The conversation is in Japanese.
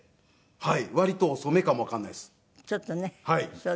はい。